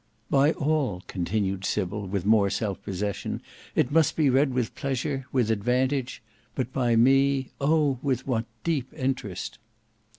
"By all," continued Sybil with more self possession, "it must be read with pleasure, with advantage, but by me—oh! with what deep interest."